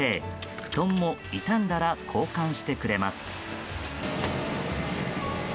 布団も傷んだら交換してくれます。